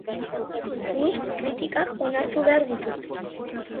Nik kritikak onartu behar ditut.